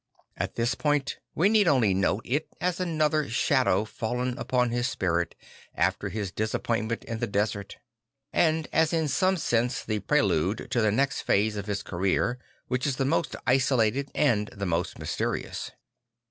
At this point we need only note it as another shado\v fallen upon his spirit after his disappointment in the desert; and as in some sense the prelude to the next phase of his career, which is the most isolated and the most mysterious.